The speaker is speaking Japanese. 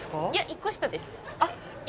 １個下です。